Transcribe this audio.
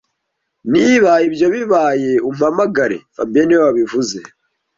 Niba ibyo bibaye, umpamagare fabien niwe wabivuze